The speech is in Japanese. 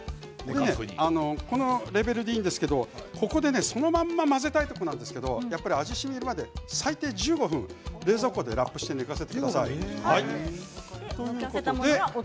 このレベルでいいんですけれどもここで、そのまま混ぜたいところなんですけれども味がしみるまで最低１５分冷蔵庫でラップをして寝かせてください。